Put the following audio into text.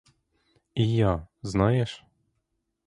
І я — знаєш?